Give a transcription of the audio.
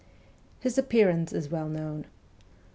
His appearance is well known.